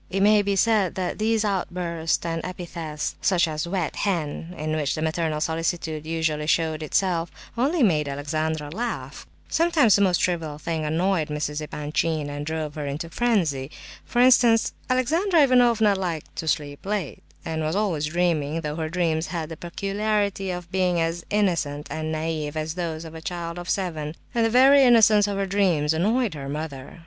It may be said that these outbursts and epithets, such as "wet hen" (in which the maternal solicitude usually showed itself), only made Alexandra laugh. Sometimes the most trivial thing annoyed Mrs. Epanchin, and drove her into a frenzy. For instance, Alexandra Ivanovna liked to sleep late, and was always dreaming, though her dreams had the peculiarity of being as innocent and naive as those of a child of seven; and the very innocence of her dreams annoyed her mother.